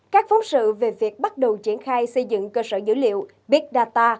các phóng sự về việc bắt đầu triển khai xây dựng cơ sở dữ liệu big data